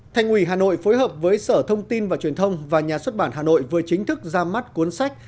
thành ủy hà nội phối hợp với sở thông tin và truyền thông và nhà xuất bản hà nội vừa chính thức ra mắt cuốn sách